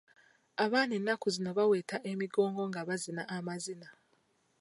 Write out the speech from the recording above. Abaana ennaku zino baweta emigongo nga bazina amazina.